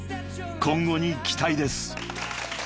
［今後に期待です］